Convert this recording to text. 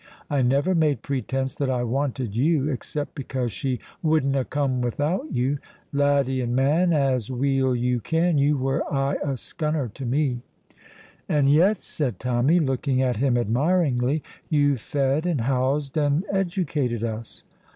I never made pretence that I wanted you, except because she wouldna come without you. Laddie and man, as weel you ken, you were aye a scunner to me." "And yet," said Tommy, looking at him admiringly, "you fed and housed and educated us.